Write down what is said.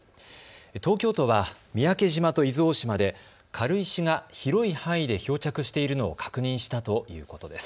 東京都は三宅島と伊豆大島で軽石が広い範囲で漂着しているのを確認したということです。